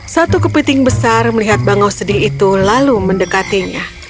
satu kepiting besar melihat bangau sedih itu lalu mendekatinya